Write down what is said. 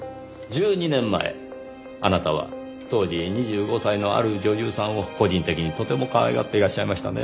１２年前あなたは当時２５歳のある女優さんを個人的にとてもかわいがっていらっしゃいましたねぇ。